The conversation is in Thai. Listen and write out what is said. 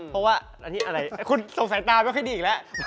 เพราะว่าคุณสงสัยตามไม่ว่าคงให้ดีก็แล้ว